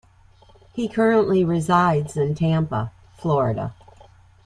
He currently resides in Tampa, Florida.